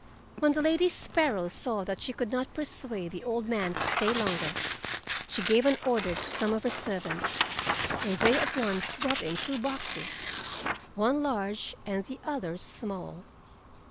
When the Lady Sparrow saw that she could not persuade the old man to stay longer, she gave an order to some of her servants, and they at once brought in two boxes, one large and the other small.